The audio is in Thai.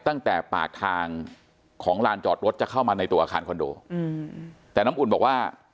ตั้งแต่ปากทางของลานจอดรถจะเข้ามาในตัวอาคารคอนโดอืมแต่น้ำอุ่นบอกว่า